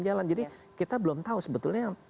jalan jadi kita belum tahu sebetulnya